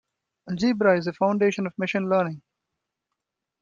Algebra is a foundation of Machine Learning.